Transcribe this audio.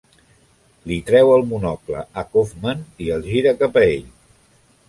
Li treu el monocle a Kaufmann i el gira cap a ell.